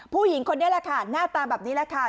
ผู้หญิงคนนี้แหละค่ะหน้าตาแบบนี้แหละค่ะ